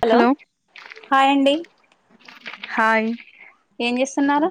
Hello hi అండి. Hi! ఏం చేస్తున్నారు?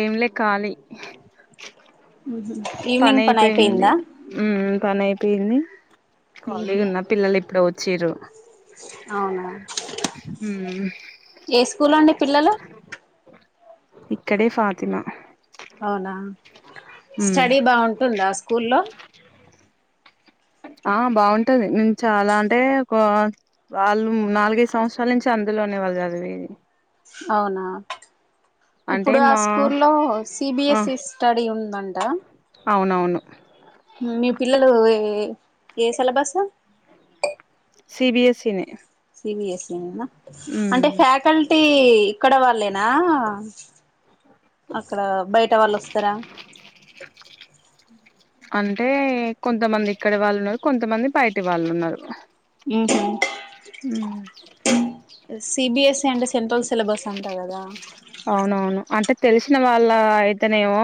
ఏంలె ఖాలీ ఈవినింగ్ పని పనైపోయింది అయిపోయిందా మ్ మ్ పనైపోయింది కాలిగున్న పిల్లల్ ఇప్పుడే వచ్చింరు. అవునా ఉమ్ ఏ స్కూల్ అండి పిల్లలు ఇక్కడే ఫాతిమ అవునా స్టడీ బాగుంటుందా ఆ స్కూల్లో ఆ బాగుంటది మ్ చాలా అంటే ఒక వాళ్ళు నాలుగైదు సంవత్సరాల నుంచి అందులోనే వాళ్ళు చదివేది. అవునా అంటే ఇప్పుడు ఆ మా స్కూల్లో ఆ సిబిఎస్ఈ స్టడీ ఉం దంట అవునవును. మీ పిల్లలు ఏ ఏ సిలబస్ సీబిఎస్ఈనే సీబిఎస్ఈనేనా అంటే ఫ్యాకల్టీ ఇక్కడ వాళ్ళేనా అక్కడా బైట వాళ్ళొస్తరా? అంటే కొంతమంది ఇక్కడి వాళ్ళున్నరు కొంతమంది బయట వాళ్ళున్నరు. మ్ హ్ మ్ సిబిఎస్ఈ అంటే సెంట్రల్ సిలబస్ అంట కదా అవునవును అంటే తెల్సిన వాళ్ళ అయితేనేమో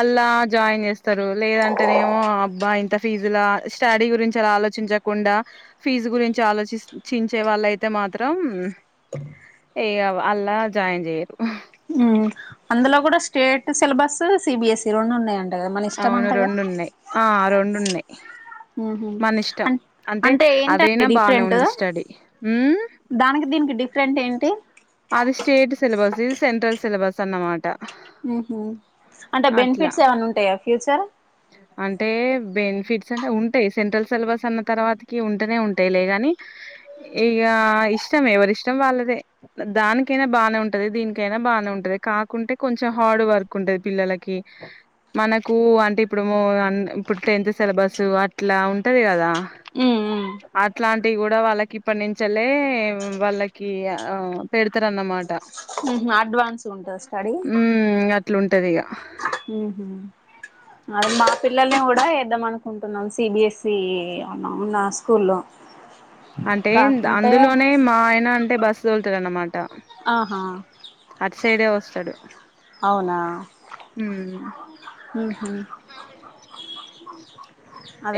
అల్లా జాయిన్ చేస్తారు లేదంటేనేమో అబ్బా ఇంత ఫీజులా స్టడీ గురించి ఆలోచిం చకుండా ఫీజు గురించే ఆలోచిస్ చించే వాల్లైతే మాత్రం ఏ ఇగ అల్లా జాయిన్ జేయరు. ఉమ్ అందులో కూడా స్టేట్ సిలబస్, సిబిఎస్ఈ రొండు ఉన్నయం అవును రొండున్నయి ఆ రొండున్నయి. ఆహ అన్ అంటే ఏంటండి అదైనా బానే డిఫరెంట్? ఉంది స్టడీ ఉమ్ దానికి దీనికి డిఫరెంట్ ఏంటి? అది స్టేట్ సిబస్ ఇది సెంట్రల్ సిలబస్ అన్నమాట ఉహ్మ్ అంటే అట్లా బెనిఫిట్స్ ఏమన్న ఉంటయా ఫ్యూచర్ అంటే బెనిఫిట్స్ అంటే ఉంటాయి సెంట్రల్ సిలబస్ అన్న తర్వాతకి ఉంటేనే ఉంటాయి లేగాని ఇగా ఇష్టం ఎవరిష్టం వాళ్ళదే దానికైన బానే ఉంటది దీనికైన బా బానే ఉంటది కాకుంటే కొంచెం హార్డ్ వర్క్ ఉంటది పిల్లలకి మనకు అంటే ఇప్పుడు అన్ ఇప్పుడు టెన్త్ సిలబస్ అట్ల ఉంటది కదా ఉమ్ ఉమ్. అట్లాంటివి కూడ వాళ్ళకి ఇప్పటి నుంచలే వాళ్ళకి ఆ పెడతారన్న మాట ఉహ్మ్ అడ్వాన్స్ గ ఉంటద స్టడీ అట్లుంటదిగ ఉహ్మ్ మా పిల్లల్ని కూడ ఎద్దం అనుకుంటున్నాం సిబిఎస్సి అన్న వున్న స్కూల్లో అ అంటే అందులోనే మా ఆయన అంటే బస్ తొల్తడు అనమాట ఆహా చడు అవునా ఉహ్మ్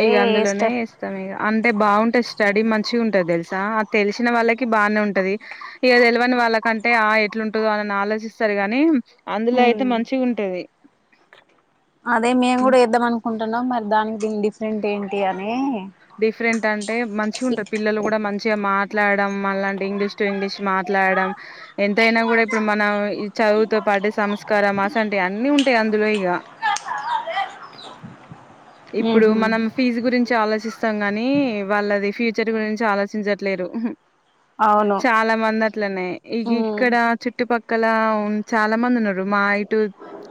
ఇగ ఎస్ట అందులోనే ఎస్తం ఇగ అంటే బాగుంటది స్టడీ మంచిగా ఉంటది తెలుసా తెలిసిన వాళ్ళకి బానే ఉంటది ఇగ తెలవని వాళ్ళకంటే ఆ ఎట్లుంటదో అనిన ఆలోచిస్తరు గాని అందులో అయితే ఉమ్ మంచిగ ఉంటది అదే మేము కూడ ఎద్దాం అనుకుంటున్నాం మరి దానికి దీనికి డిఫరెంట్ ఏంటి అని డిఫరెంట్ అం అంటే మంచిగ ఉంటారు పిల్లలు కూడా మంచిగా మాట్లాడం మళ్లాంటి ఇంగ్లీష్ టు ఇంగ్లీష్ మాట్లాడడం ఎంతయిన కూడ ఇప్పుడు మన ఈ చదువుతో పాటి సంస్కారమ్ అసంటివీ అన్ని ఉంటాయి అందులో ఇగ ర ఇప్పుడు మనం ఫీజు గురించి ఆలోచిస్తాం గాని నీ వాళ్ళది ఫ్యూచర్ గురించి ఆలోచించట్లేరు అవును చాల మంది అట్లనే ఇ ఉ ఇక్కడ చుట్టుపక్కల ఉం చాల మంది ఉన్నరు మా ఇటు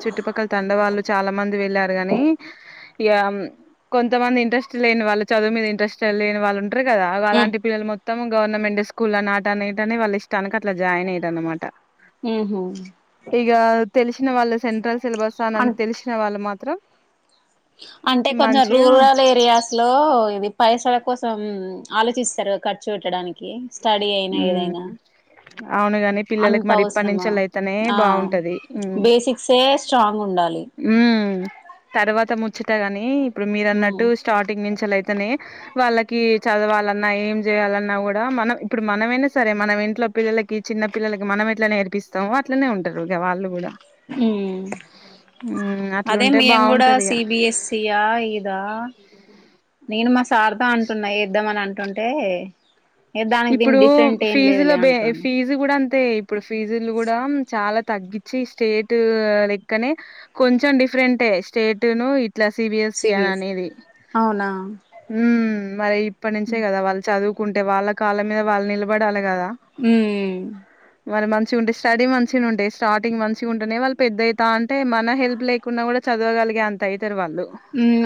చుట్టుపక్కల తండవాళ్ళు చాల మంది వెళ్ళారు గాని ఇగ కొంతమంది ఇంట్రెస్ట్ లేని వాళ్ళు చదువు మీద ఇంట్రెస్ట్ లేని వాళ్ళు ఉం ఉంటరు కదా ఉ అలాంటి పిల్లలు మొత్తము గవర్నమెంట్ స్కూల్ ఆన్ ఆటన్ ఇటన్ అని వాళ్ళ ఇష్టానికి అట్ల జాయిన్ అయ్యారు అనమాట ఉహ్మ్ ఇగ తెలిసిన వాళ్ళు సెంట్రల్ సిలబస్ అనన్ అన్ తెలిసిన వాళ్ళు మాత్రం అంటే కొంచెం మంచిగా రూరల్ ఏరియాస్ లో ఇది పైస కోసం ఆలోచిస్తరు ఖర్చు పెట్టడానికి స్టడీ అయిన మ్ ఏదైన అవునుగాని పిల్లలకి అంత మరి ఇప్పటి అవసరమా నుంచోళ్ళయితేనే ఆ బాగుంటది మ్ బేసిక్సే స్ట్రాంగ్ ఉండాలి హ్మ్ తర్వాత ముచ్చట గాని ఇప్పుడు మీరు ఉ అన్నట్టు స్టార్టింగ్ నుం లైతేనే వాళ్ళకి చదవాలన్నా ఏం చేయాలన్నా కూడ మన ఇప్పుడు మనమైన సరే మనం ఇంట్లో పిల్లలకి చిన్న పిల్లలకి మనం ఎట్ల నేర్పిస్తాము అట్లనే ఉంటారు వాళ్ళు కూడ హ్మ్ అదే అట్లుంటే మేం గూడ బాగుంటది ఇగ సిబిఎస్సీయా ఇదా నేను మా సార్ తో అంటున్న ఎద్దాం అని అంటుంటే ఏ దానికి దీనికి ఇప్పుడు డిఫరెంట్ ఏం ఫీజుల లేదులే బే అంటున్నా ఫీజు కూడా అంతే ఇప్పుడు ఫీజులు కూడా చాలా తగ్గించి స్టేట్ లెక్కనే కొంచెం డిఫరెంటే స్టేట్ ను ఇట్లా సిబిఎస్సి అని సిబిఎస్ అనేది అవునా మరి ఇప్పటి నుంచే కదా వాళ్ళు చదువుకుంటే వాళ్ళ కాలం మీద వాళ్ళు నిలబడాలి కదా ఉ మరి మంచిగా ఉంటే స్టడీ మంచిగా ఉంటాయి స్టార్టింగ్ మంచిగా ఉంటునేయి వాళ్ళు పెద్దయిత అంటే మన హెల్ప్ లేకుండా కూడా చదవలగ అంత అయితే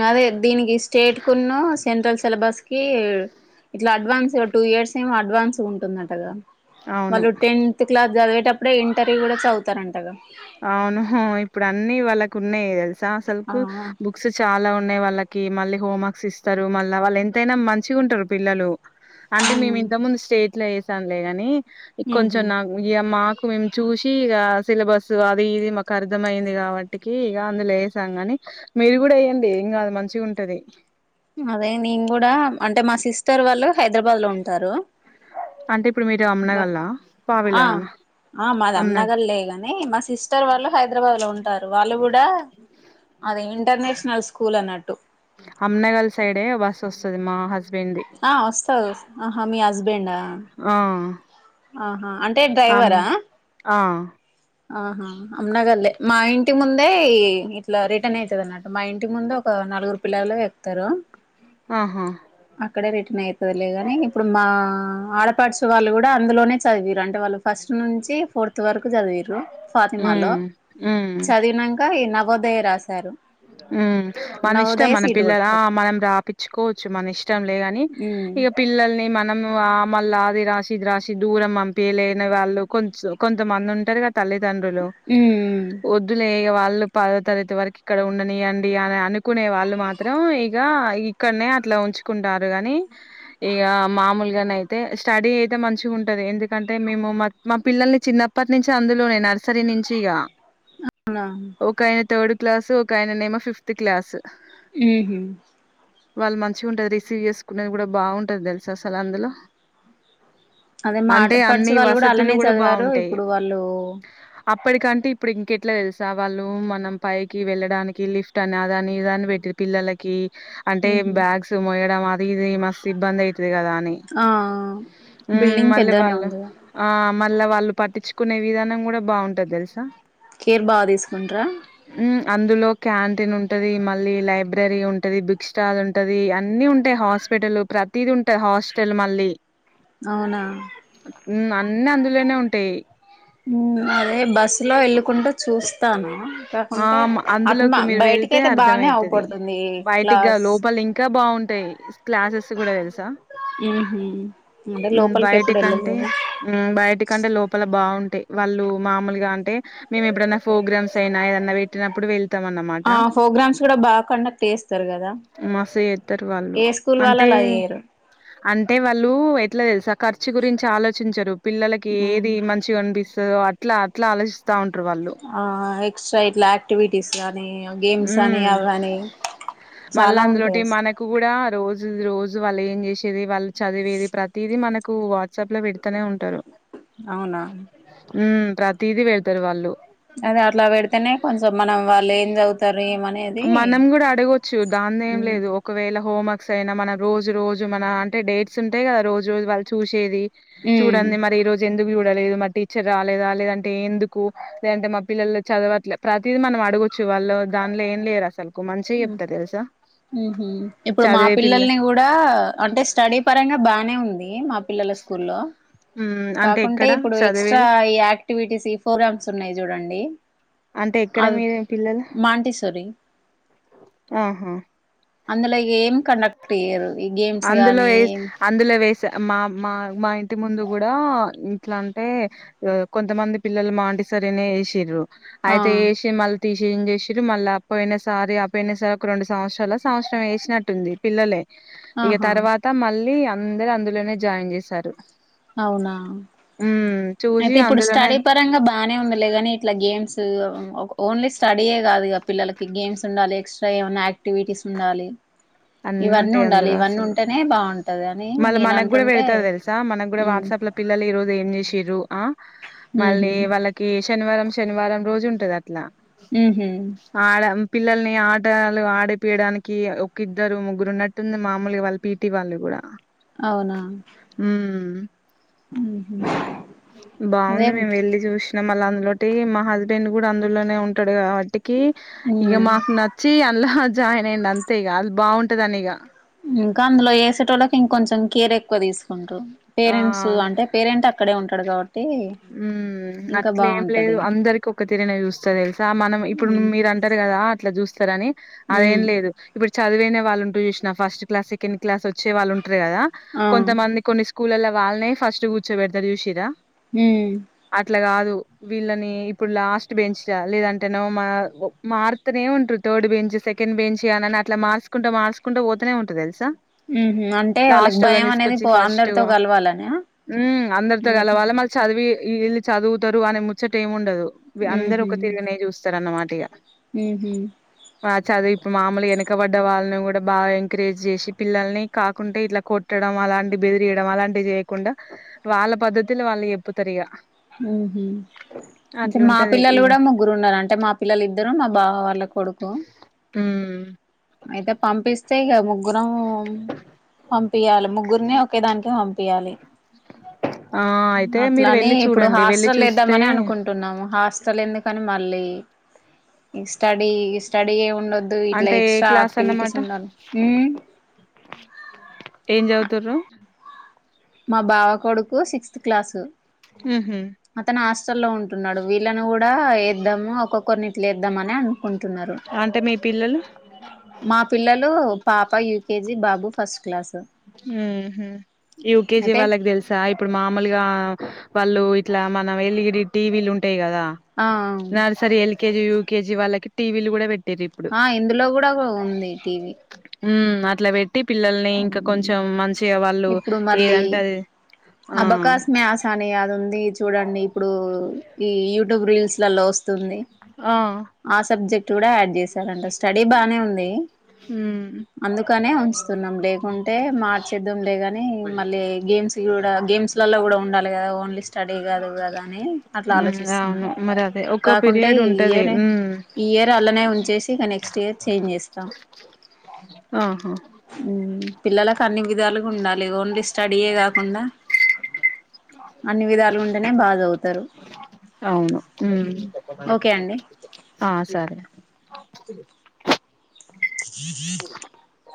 అదే దీనికి స్టేట్ కున్న సెంట్రల్ సిలబస్ కి ఇట్లా అడ్వాన్స్ టూ ఇయర్స్ ఏమో అడ్వాన్స్ ఉంటుందటగా అవును వాళ్ళు టెన్త్ క్లాస్ చదివేటప్పుడే ఇంటర్వూ కూడా చదువుతారంటగా అవును ఇప్పుడు అన్నీ వాళ్ళకు ఉన్నాయి తెలుసా ఆ అసలుకు బుక్స్ చాలా ఉన్నాయి వాళ్ళకి మళ్ళీ హోమ్వర్క్స్ ఇస్తారు మళ్ళీ వాళ్ళు ఎంతైనా మంచిగా ఉంటారు పిల్లలు అంటే మేము ఉమ్ ఇంత ముందు స్టేట్ లో వేసాంలే గాని ఉహు కొంచం నా ఇ మాకు మేము చూసి ఇక సేలబస్ అది ఇది మాకు అర్థంమయింది కాబట్టికి ఇక అందులో వసాం కాని మీరు కూడా వేయండి ఏం కాదు మంచి మంచి ఉంటది అదే నేను కూడా అంటే మా సిస్టర్ వాళ్ళు హైదరాబాద్ లో ఉంటారు అంటే ఇప్పుడు మీరు బ అమ్నగల్లా ఆ పావిలా అన్న ఆ మాది అమ్నగల్ అన్నగారు లే గాని మా సిస్టర్ వాళ్ళు హైదరాబాద్ లో ఉంటారు వాళ్ళు కూడా అది ఇంటర్నేషనల్ స్కూల్ అన్నట్టు అమ్న్నగలి సైడే బస్ వస్తది మా హస్బ ఆ వస్తాది ఆహా మీ హస్బెండ్ ఆ ఆహా అంటే అమ్ డ్రైవరా ఆ ఆహా అమ్నాగల్లే మా ఇంటి ముందే ఇట్లా రిటర్న్ అవుతుది అన్నట్టు మా ఇంటికి ముందు ఒక నలుగురు పిల్లలు ఎకుతారు ఆహా అక్కడే రిటర్న్ అవుతుది లేగాని ఇప్పుడు మా మ ఆడపాడుచ వాళ్ళు కూడా అందులోనే చదివారు అంటే వాళ్ళు ఫస్ట్ నుంచి ఫోర్త్ వరకు చదివారు ఫాతిమాలో ఉమ్ ఉమ్ చదివినక ఈ నవోదయ రాస ఉ మన ఇష్టం మన సీటు పిల్లల కొట్టారు మనం రాపిచ్చుకోవచ్చు మన ఇష్టం లేగాని ఉమ్ ఇక పిల్లల్ని మనం మళ్ళీ అది రాసి ఇది రాసి దూరం పంపలేని వాళ్ళు కొ కొంతమంది ఉంటారు కదా తల్లిదండ్రులు ఉమ్ వద్దలె వాళ్ళు పదో తరగతి వరకు ఇక్కడ ఉండని అండి అని అనుకునే వాళ్ళు మాత్రం ఇగా ఇక్కడనే అట్లా ఉంచుకుంటారు గాని ఇక మామూలుగానే అయితే స్టడీ అయితే మంచి ఉంటది ఎందుకంటే మేము మా పిల్లల ని చిన్నప్పటి నుంచి అందులోనే నర్సరీ నుంచి ఇక అవునా ఒక ఆయన థర్డ్ క్లాసు ఒక ఆయన నేమో ఫిఫ్త్ క్లాసు ఉహ్ వాళ్ళు మంచిగా ఉంటది రిసీవ్ చేసుకునేది కూడా బాగుంటది తెలుస అసలు అందులో అదే మా అంటే ఆడపడుచు అన్ని వాళ్ళు వసతులు అలానే కూడా చదివారు బాగుంటాయి ఇప్పుడు వాళ్ళు అప్పటికంటే ఇప్పుడు ఇంకెట్లా వెలిసావాళ్ళు మనం పై వెళ్ళడానికి లిఫ్ట్ అదని ఇదని పెట్టింది పిల్లలకి అంటే ఉహు బ్యాగ్స్ మోయడం ది మస్ ఇబంద ఐతుంది కదానీ ఆ ఉ బిల్డింగ్ మళ్ళీ పెద్దనే వాళ్ళు ఉందిగా ఆ మలా వాళ్ళు పట్టించుకునే విధానం కూడా బాగుంటది తెలుసా కేర్ బాగా తీసుకుంటరా మ్ అందులో క్యాంటీన్ ఉంటది, మళ్ళీ లైబ్రరీ ఉంటది, బుక్ స్టాల్ ఉంటది అన్ని ఉం టే హాస్పిటల్ ప్రతీది ఉంటాయి హాస్పిటల్ మళ్ళీ అవునా మ్ అన్నీ అందులోనే ఉంటాయి. మ్ అదే బస్సు లో వెళ్ళకుంట చూస్తాను. ఆ కాకుంటే మ అట్మా అందులోకి మీరు వెళ్తే బయటికయితే బానే అర్థమయితది. అవుపడుతుంది బయటికిగా క్లాస్ లోపల ఇంకా బావుం తై క్లాసెస్ కూడా తెలుసా? ఉహు, అంటే మ్ లోపలికి ఎప్పుడు బయటికంటే వెళ్ళలేదు మ్ బయటికంటే లోపల బావుం టే వాళ్ళు మామూలుగా అంటే మేము ఎప్పుడైన్నా ప్రోగ్రామ్స్ అయినా ఏదన్నా పెట్టినప్పుడు వె ఆ ప్రోగ్రామ్స్ కూడా బాగా కండక్ట్ చేస్తారు కదా మస ఇద్దారు వాళ్ళు ఏ స్కూల్ వాళ్ళు అంటే అలా చేయరు అంటే వాళ్ళు ఎట్లా తెలుస ఖర్చు గురించి ఆలోచించరు పిల్లలకి ఉమ్, ఏది మంచిగా అనిపి సో అట్లా అట్లా ఆలోచ ఆ ఎక్స్ట్రాలాక్టివిటీస్ల ఉ మళ్ళా చాలా ఉంటాయి అందులోటి అస్ మనకు కూడా రోజుది రోజు వాళ్ళు ఏం చేసేది, వాళ్ళు చదివేది ప్రతిది మనకు వాట్సాప్ లో పెడతనే ఉంటారు. అవునా ఉమ్ ప్రతిది వెడతరు వాళ్ళు అద అట్లా పెడితేనే కొంచం మనం వాళ్ళు ఏం చదువుతారు. ఏమనేది మనం కూడా అడగొచ్చు దానిదె ఏం ఉమ్ లేదు ఒకవే ఎలా హోమ్వర్స్ అయినా మన రోజు రోజు మన అంటేడేట్స్ ఉంటాయి కదా రోజు రోజు వాళ్ళు చూసేది. చూడండి మరి ఈ రోజు ఎం చూడలేదు మా టీచర్ రాలేదా లేదంటే, ఎందుకు లేదంటే మా పిల్లలు చదవట్లే ప్రతి మనం ఆడు కూర్చు వాళ్ళు దానిలో ఏం లేరు అసలుకు మంచిగా చెప్తా తెలుసా? ఆహ ఇప్పుడు మా చదివే పిల్ల పిల్లల్ని కూడా అంటే స్టడీ పరంగా బానే ఉంది. మా పిల్లల స్కూల్లో ఉమ్ అంటే కాకుంటే ఎక్కడ ఇప్పుడు ఎక్స్ట్రా చదివేది ఈ యాక్టివిటీస్, ఈ ప్రోగ్రామ్స్ ఉన్నాయి చూడండి. అంటే ఎక్కడ అద్ మీ మాంటిస్సోరి ఆహ అందులో ఏం కండక్ట్ ఇయ్యరు. అందులో ఏస్ అందులో వేస్ చ్చ మా మా మా ఇంటి ముందు కూడా ఇట్ల అంటే ఓబ్ కొంతమంది పిల్లలు మాంట్ ఇసరినే ఏసిర్రు ఆ అయితే ఏసి మల్ తీసేం చేసిర్రు మళ్ళ పొయిన సారి అపెనిసాకు రొండు సంవత్సరాల, సంవత్సరం ఏసినట్టుంది పిల్లలే ఇగ ఆహా తర్వాత మళ్ళీ అందర్ అందులోనే జాయిన్ చేశారు. అవునా ఉమ్ చూసి అయితె ఇప్పుడు అందులోనే స్టడీ పరంగ బానే ఉందిలే గాని ఇట్ల గేమ్ సూ మ్ ఓన్లీ స్టడీయే కాదు గ పిల్లలకి గేమ్స్ ఉండాలి. ఎక్స్ట్రా ఏమైన్నా యాక్టివిటీస్ ఉండాలి. అన్ని ఇవన్ని ఉంటాయి ఉండాలి అందులో ఇవన్నీ అసలు ఉంటెనే బావుంటది అని నేనంటుంటే ఇప్పుడు వాట్సప్ లో పిల్లలు ఈరోజు ఏం చేసిర్రు ఆ మళ్లీ ఉహు వాళ్లకీ శనివారం శనివారం రోజు ఉంటది అట్లా ఉహు ఆడమ్ పిల్లల్నీ ఆటాలు ఆడిపియడానికి అదో కిద్దరూ, ముగ్గురు ఉన్నట్టుంది మామూలుగా వాళ్ళు పీటీ వాళ్ళు కూడా అవునా ఉహు అదే బావుంది మేమ్ వెళ్ళి చూష్ ఇంగ మళ్ళ అందులొటీ మా హస్బెండ్ కూడా అందులోనే ఉంటడు కదా టికీ ఇక ఉమ్ మాక్ నచ్చీ అలా జాయిన్ అయ్యిండు అంతే గా అది బావుంటదిని ఇగ ఇంకా అందులో చేసేటోళ్ళకు ఇంకొంచెం కేర్ ఎక్కువ తీసుకుంటారు. పేరెంట్సూ ఆ అంటె పేరెంట్ అక్కడే ఉంటడు కాబట్టి ఇంకా బావుంటది. ఇంకొక తిరీనే చూస్తర్ తెలుసా మనం ఇప్పుడు మీరంటరు కదా అట్ల చూస్తరని అదేం ఉమ్ లేదు ఇప్పుడు. చదివిన వాళ్ళుంటారు చూస్నవ ఫస్ట్ క్లాస్ సెకండ్ క్లాస్ వచ్చే వాళ్ళుంటరు కదా ఆ కొంతమంది కొన్ని. స్కూలల్లో వాల్నే ఫస్ట్ కూర్చోబెడతారు చూశింర్రా. ఉమ్. వీళ్ళనీ ఇప్పుడు లాస్ట్ బెంచ్గ లేదంటేనో మనో మార్తనే ఉంటరు థర్డ్ బెంచ్. సెకెండ్ బేంచీ అని అట్ల మార్సుకుంటా మార్సుకుంటా పోతనే ఉంటరు తెల్సా. ఉహు అంటే వాళ్ళకి లాస్ట్ ఓకళ్లను భయం అనేది తీసుకొచ్చి పో ఫస్ట్. అందరితో కలవాలనా ఉమ్ అందరితో కలవాలి మళ్ళీ చ. ఇవి ఇళ్ళు చదువుతరు అనే ముచ్చట ఏమి ఉండదు అందరు ఉహు ఒక తిరుగనే చూస్తరు అన్నమాట ఇక. ఉహు. వా చదువు ఇప్పుడు మామూలుగా ఇట్లా వెనుకబడ్డ వాళ్ళని కూడా బాగా ఎంకరేజ్ చేసి పిల్లల్ని కాకుంటే ఇట్ల కొట్టాటం. అలాంటివి బెదిరియడం అలాంటివి చేయకుండా వాళ్ళ పద్ధతిలో వాళ్లు చేప్పుతారిగ. ఉహు. అంటె మా అట్లుంటది పిల్లలు ఇగ. కూడ ముగ్గురు ఉన్నారు అంటె మా పిల్లలు ఇద్దరూ మా బావ వాళ్ళ కొడుకు. ఉమ్. అయితే పంపిస్తే ఇక ముగ్గురమ్. పంపియాలి ముగ్గురిని ఒకే దాంట్లో పంపియాలి. ఆహ్ అయితే మీరు వెళ్ళి చూ. హాస్టలేద్ధామని అనుకుంటున్నాము హాస్టల్ ఎందుకని. మల్లీ ఈ స్టడీ స్టడీయే. ఉండొద్దు ఇట్లా అంటే ఏ ఎక్స్ట్రా క్లాస్ ఆక్టివిటీస్ అన్నమాట? ఉండాలి ఉమ్. ఏం చదువుతుండ్రు. మా బావ కొడుకు సిక్స్త్ క్లాసు. ఉహు. అతను హాస్టల్లో ఉంటున్నాడు వీళ్ళని కూడా ఏద్దాము ఒక్కొక్కరిని. లేద్దామనే అనుకుంటున్నారు అంటే మీ పిల్లలు? మా పిల్లలూ. పాప యూకేజి బాబు ఫస్ట్ క్లాసు. ఉహు యూకేజి అయితే వాళ్ళకి తెల్సా ఇప్పుడు మామూల్గా. వాళ్లూ ఇట్లా మన ఎల్ఇడి టీవీలు ఉంటాయి కదా ఆ నర్సరీ ఎల్. యుకేజీ యుకేజీ వాళ్ళకి టీవీలు కూడా పెట్. ఆహ్ ఇందులో కూడా ఉంది టీవీ. ఉమ్ అట్లా పెట్టి పిల్లల్ని ఇంకా. కొంచెం మంచిగా వాళ్ళు ఇప్పుడు మళ్ళీ ఏదంటేది ఆహ్. అబకాస్ మ్యాస్ అని అది ఉంది చూడండి ఇప్పుడు ఈ యూట్యూబ్ రీల్స్ లలో వస్తుంది ఆ ఆ సబ్జెక్ట్. చూడ యాడ్ చేసారంట స్టడీ బానే ఉంది ఉమ్ అందుకనే ఉమ్. వస్తున్నాం లేకుంటే మార్చేద్దాంలే కానీ మళ్ళీ గేమ్స్ కూడా గేమ్స్ లలో కూడా ఉండాలి కదా. ఓన్లీ స్టడీ కాదు కదా అని అట్లా ఉమ్ ఆలోచిస్తున్నాను అవును మరి అదే ఒక కాకుంటే పీరియడ్ ఈ ఉంటది ఇయరే. ఉమ్ ఈ ఇయర్ అండ్లనే ఉంచేసి ఇంకా నెక్స్ట్ ఇయర్ చేంజ్ చేస్తా. ఆహా. ఉమ్ పిల్లలకు అన్ని విధాలుగా ఉండాలి ఓన్లీ స్టడీయే కాకుండా. అన్ని విధాలుగా ఉంటేనే బాగా చదువుతారు. అవును ఉమ్ ఓకే అండి ఆహ్ సరే. హ